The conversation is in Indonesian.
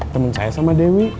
temen saya sama dewi